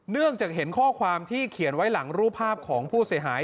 เนื่องจากเห็นข้อความที่เขียนไว้หลังรูปภาพของผู้เสียหาย